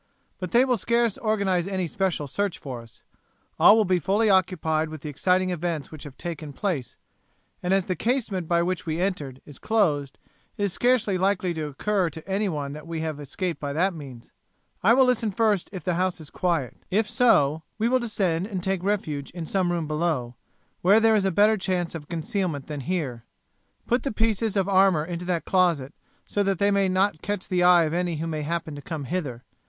But they will scarce organize any special search for us. All will be fully occupied with the exciting events which have taken place, and as the casement by which we entered is closed it is scarcely likely to occur to any one that we have escaped by that means. I will listen first if the house is quiet. If so, we will descend and take refuge in some room below, where there is a better chance of concealment than here. Put the pieces of armour into that closet so that they may not catch the eye of any who may happen to come hither.